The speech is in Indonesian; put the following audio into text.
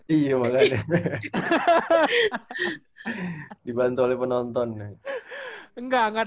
enggak enggak tapi bener bener disok manage mau improve nanti ya iya makanya iya makanya ya bener bener guru harus kalau misalnya mau improve nanti ya gitu ya arbeitet ppg juga ya